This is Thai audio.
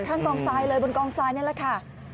ข้างกองซ้ายบนกองซ้านี่แหละค่ะ